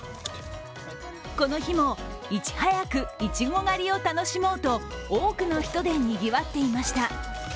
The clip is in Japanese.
この日も、いち早くいちご狩りを楽しもうと、多くの人でにぎわっていました。